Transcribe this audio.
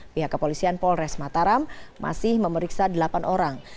pihak kepolisian polres mataram masih memeriksa delapan orang